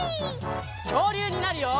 きょうりゅうになるよ！